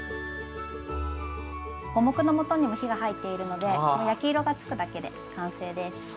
五目のもとにも火が入っているので焼き色がつくだけで完成です。